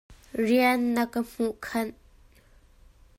Rian na ka hmuh khanh.